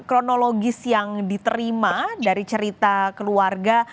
kronologis yang diterima dari cerita keluarga